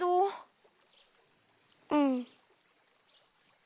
うん。